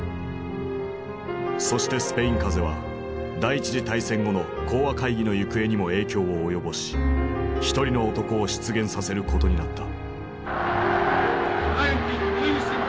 そしてスペイン風邪は第一次大戦後の講和会議の行方にも影響を及ぼし一人の男を出現させることになった。